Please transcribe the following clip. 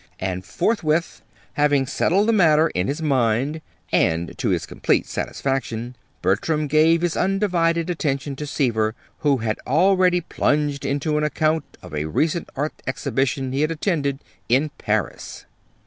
And forthwith, having settled the matter in his mind, and to his complete satisfaction, Bertram gave his undivided attention to Seaver, who had already plunged into an account of a recent Art Exhibition he had attended in Paris.